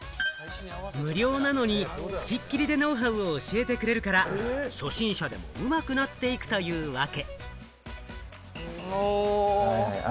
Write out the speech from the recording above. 無料なのに、つきっきりでノウハウを教えてくれるから、初心者でもうまくなっていくというわけ。